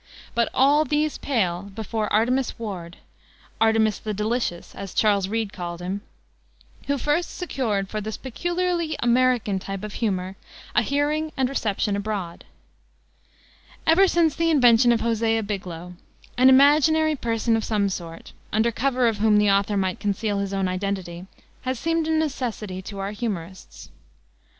But all these pale before Artemus Ward "Artemus the delicious," as Charles Reade called him who first secured for this peculiarly American type of humor a hearing and reception abroad. Ever since the invention of Hosea Biglow, an imaginary personage of some sort, under cover of whom the author might conceal his own identity, has seemed a necessity to our humorists.